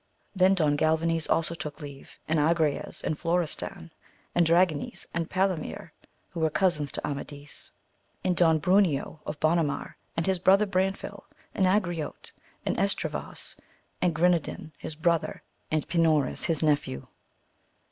Then Don Galvanes also took leave, and Agrayes and Florestan, and Dragonis and Palomir, who were cousins to AmadUii AMADIS OF GAUL. 115 and Don Bruneo of Bonamar and his brother Branfil, and Angriote of Estravaus, and Grind onan his bro^ ther^ and Pinores his nephew.